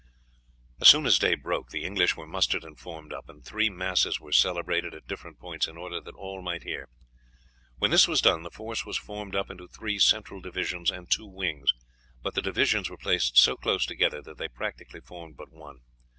As soon as day broke the English were mustered and formed up, and three masses were celebrated at different points in order that all might hear. When this was done the force was formed up into three central divisions and two wings, but the divisions were placed so close together that they practically formed but one.